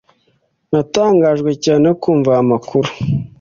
Natangajwe cyane no kumva amakuru